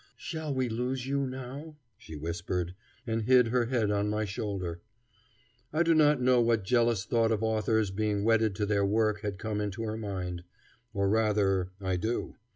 "Shall we lose you now?" she whispered, and hid her head on my shoulder. I do not know what jealous thought of authors being wedded to their work had come into her mind; or, rather, I do.